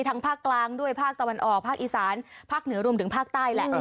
ภาคกลางด้วยภาคตะวันออกภาคอีสานภาคเหนือรวมถึงภาคใต้แหละ